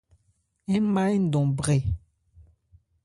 Ń ma ńdɔn-brɛ.